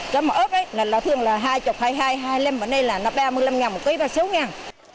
còn mà ớt thì thường là hai mươi hai mươi hai hai mươi năm và đây là ba mươi năm ngàn một kg và sáu ngàn